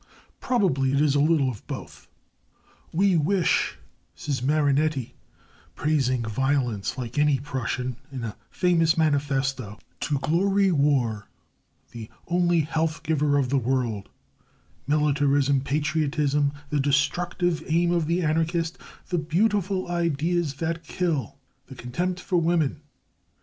Probably it is a little of both. "We wish," says Marinetti, praising violence like any Prussian, in a famous manifesto, "to glorify war the only health giver of the world militarism, patriotism, the destructive aim of the Anarchist, the beautiful ideas that kill, the contempt for women."